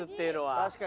確かに。